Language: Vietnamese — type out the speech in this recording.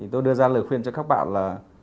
tôi đưa ra lời khuyên cho các bạn là